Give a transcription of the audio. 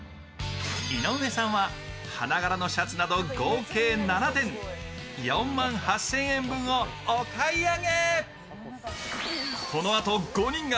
井上さんは花柄のシャツなど合計７点４万８０００円分をお買い上げ。